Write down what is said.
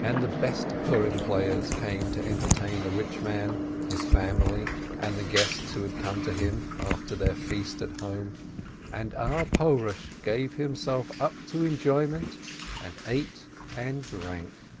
And the best Purim players came to enter tain the rich man, his family, and the guests who had come to him after their feast at home. And our Porush gave himself up to enjoyment, and ate and drank.